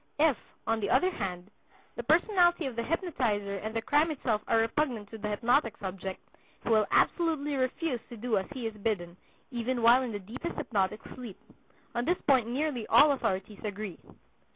If, on the other hand, the personality of the hypnotizer and the crime itself are repugnant to the hypnotic subject, he will absolutely refuse to do as he is bidden, even while in the deepest hypnotic sleep. On this point nearly all authorities agree.